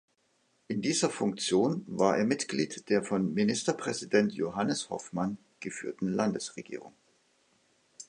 In dieser Funktion war er Mitglied der von Ministerpräsident Johannes Hoffmann geführten Landesregierung.